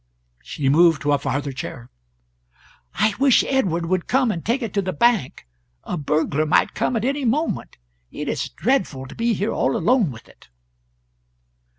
She moved to a farther chair. .. "I wish Edward would come, and take it to the bank; a burglar might come at any moment; it is dreadful to be here all alone with it."